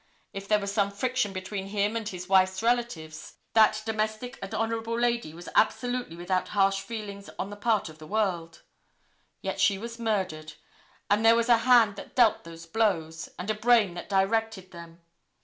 If there was some friction between him and his wife's relatives, that domestic and honorable lady was absolutely without harsh feelings on the part of the world, yet she was murdered, and there was a hand that dealt those blows, and a brain that directed them.